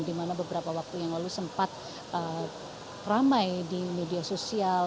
di mana beberapa waktu yang lalu sempat ramai di media sosial